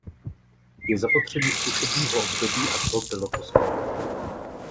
Je zapotřebí zkušebního období a to bylo poskytnuto.